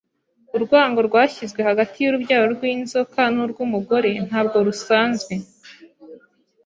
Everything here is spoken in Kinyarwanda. Urwango rwashyizwe hagati y’urubyaro rw’inzoka n’urw’umugore ntabwo rusanzwe